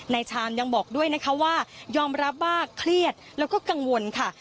ชามยังบอกด้วยนะคะว่ายอมรับว่าเครียดแล้วก็กังวลค่ะ